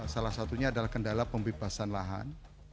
salah satunya adalah kendala pembebasan lahan